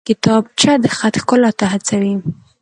کتابچه د خط ښکلا ته هڅوي